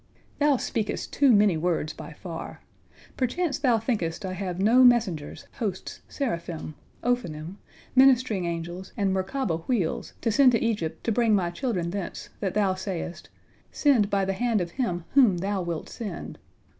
Thou speakest too many words by far. Perchance thou thinkest I have no messengers, hosts, seraphim, ofanim, ministering angels, and Merkabah wheels, to send to Egypt, to bring My children thence, that thou sayest, 'Send by the hand of him whom Thou wilt send.'